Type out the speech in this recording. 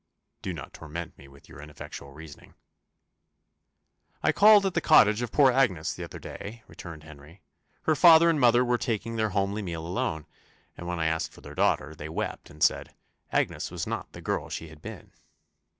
"Do not torment me with your ineffectual reasoning." "I called at the cottage of poor Agnes the other day," returned Henry: "her father and mother were taking their homely meal alone; and when I asked for their daughter, they wept and said Agnes was not the girl she had been."